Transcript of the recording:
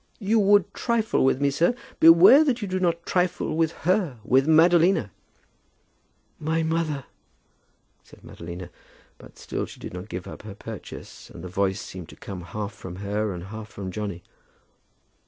"You would trifle with me, sir. Beware that you do not trifle with her, with Madalina!" "My mother," said Madalina; but still she did not give up her purchase, and the voice seemed to come half from her and half from Johnny.